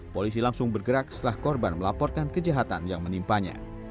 polisi langsung bergerak setelah korban melaporkan kejahatan yang menimpanya